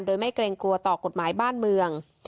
โดยไม่เกรงกลัวต่อกฎหมายบ้านเมือง